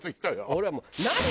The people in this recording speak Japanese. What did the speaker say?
俺はもう。